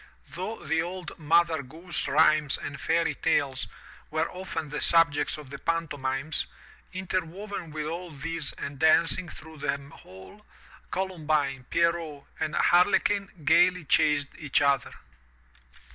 Though the old Mother Goose Rhymes and Fairy Tales were often the subjects of the pantomimes, interwoven with all these and dancing through them all, Columbine, Pierrot and Harle quin gaily chased each other.